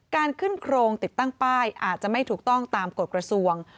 การขึ้นโครงติดตั้งป้ายอาจจะไม่ถูกต้องตามกฎกระทรวง